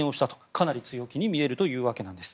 かなり強気に見えるというわけです。